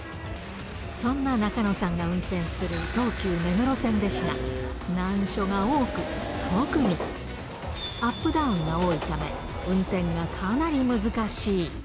そんな中野さんが運転する東急目黒線ですが、難所が多く、特に、アップダウンが多いため、運転がかなり難しい。